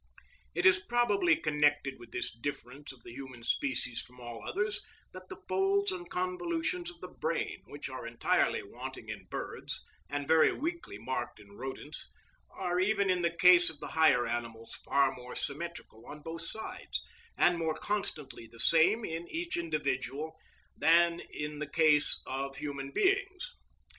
It is probably connected with this difference of the human species from all others, that the folds and convolutions of the brain, which are entirely wanting in birds, and very weakly marked in rodents, are even in the case of the higher animals far more symmetrical on both sides, and more constantly the same in each individual, than in the case of human beings.